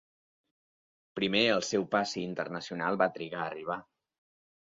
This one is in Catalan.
Primer el seu passi internacional va trigar a arribar.